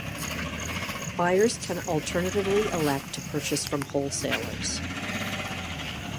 Buyers can alternatively elect to purchase from wholesalers.